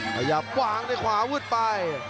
พยายามวางขวามืดไป